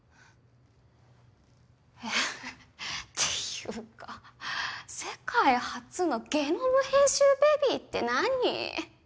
フフっていうか世界初のゲノム編集ベビーって何？